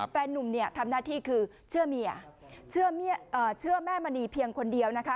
นุ่มเนี่ยทำหน้าที่คือเชื่อเมียเชื่อแม่มณีเพียงคนเดียวนะคะ